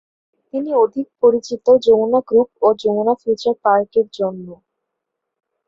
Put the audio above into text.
তিনি অধিক পরিচিত যমুনা গ্রুপ ও যমুনা ফিউচার পার্ক এর জন্য।